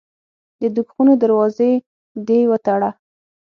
د دوږخونو دروازې دي وتړه.